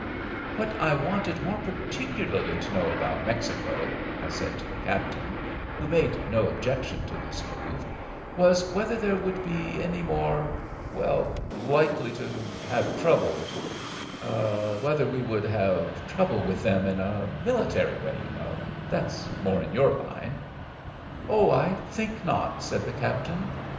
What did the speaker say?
"What I wanted more particularly to know about Mexico," I said to the captain, who made no objection to this move, "was whether there would be any more—well, likely to have trouble—whether we would have trouble with them in a military way, you know—that's more in your line." "Oh, I think not," said the captain.